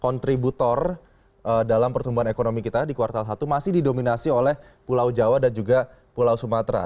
kontributor dalam pertumbuhan ekonomi kita di kuartal satu masih didominasi oleh pulau jawa dan juga pulau sumatera